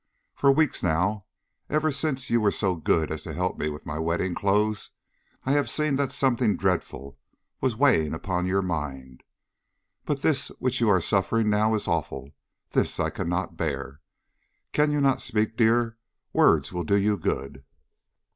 For weeks now, ever since you were so good as to help me with my wedding clothes, I have seen that something dreadful was weighing upon your mind, but this which you are suffering now is awful; this I cannot bear. Cannot you speak dear? Words will do you good."